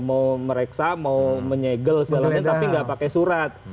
mau mereksa mau menyegel segalanya tapi nggak pakai surat